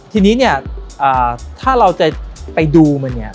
ทีนี้เนี่ยถ้าเราจะไปดูมันเนี่ย